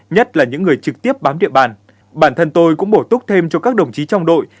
nhất là những người trực tiếp bám địa bàn bản thân tôi cũng bổ túc thêm cho các đồng chí trong đội